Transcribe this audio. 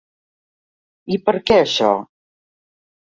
I per què, això?